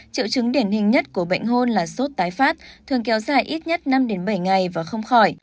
triệu chứng điển hình nhất của bệnh hôn là sốt tái phát thường kéo dài ít nhất năm bảy ngày và không khỏi